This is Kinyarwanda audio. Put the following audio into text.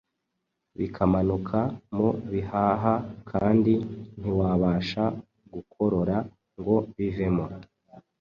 bikamanuka mu bihaha kandi ntiwabasha gukorora ngo bivemo.